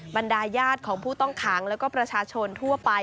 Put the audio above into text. บรรดาญาติของผู้ต้องขังแล้วก็ประชาชนทั่วไป